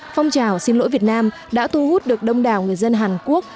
phong trào xin lỗi việt nam đã thu hút được đông đảo người dân hàn quốc